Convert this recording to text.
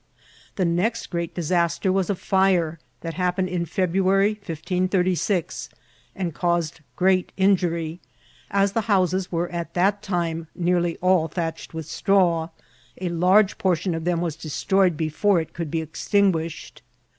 The next great disaster was a fire that happened in Felffuary, 1536, and caused great injury ; as the houses were at that time nearly all thatched with straw, a large pcnrtion of them was destroyed before it conld be extinguished.